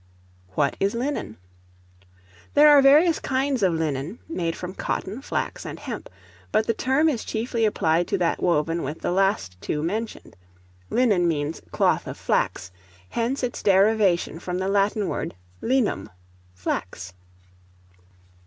What is Linen? There are various kinds of linen, made from cotton, flax, and hemp; but the term is chiefly applied to that woven with the two last mentioned. Linen means cloth of flax; hence its derivation from the Latin word linum, flax.